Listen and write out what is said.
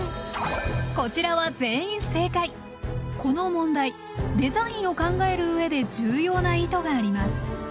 こちらはこの問題デザインを考えるうえで重要な意図があります。